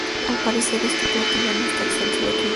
Al parecer este platillo no está exento de críticas.